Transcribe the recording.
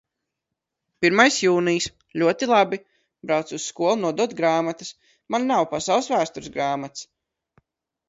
Pirmais jūnijs. Ļoti labi. Braucu uz skolu nodot grāmatas. Man nav pasaules vēstures grāmatas.